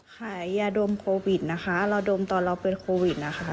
ขายยาดมโควิดนะคะเราดมตอนเราเป็นโควิดนะคะ